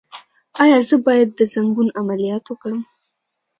ایا زه باید د زنګون عملیات وکړم؟